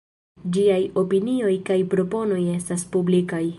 Ĝiaj opinioj kaj proponoj estas publikaj.